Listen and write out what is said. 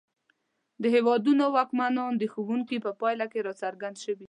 د هېوادونو واکمنان د ښوونکي په پایله کې راڅرګند شوي.